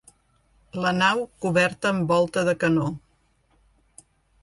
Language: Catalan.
La nau coberta amb volta de canó.